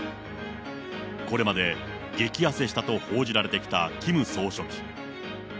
これまで激痩せしたと報じられてきたキム総書記。